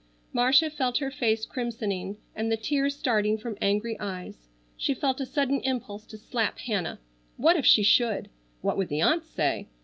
Marcia felt her face crimsoning, and the tears starting from angry eyes. She felt a sudden impulse to slap Hannah. What if she should! What would the aunts say?